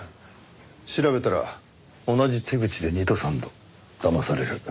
調べたら同じ手口で二度三度だまされる。